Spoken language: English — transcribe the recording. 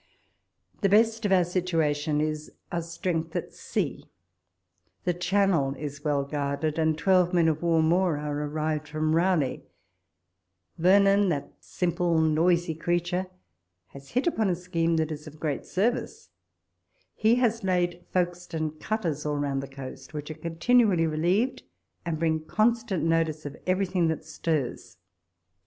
The best of our situation is, our strength at sea: the Channel is well guarded, and twelve men of war more are arrived from llowley. Vernon, that simple noisy creature, has hit upon a scheme that is of great service ; he has laid Folkestone cutters all round the coast, which are continually re lieved, and bring constant notice of everything that stirs.